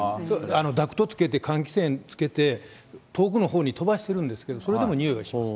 ダクトつけて換気扇つけて遠くのほうに飛ばしてるんですけど、それでも匂いは生ずる。